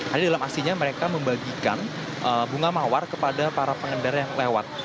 ada dalam aksinya mereka membagikan bunga mawar kepada para pengendara yang lewat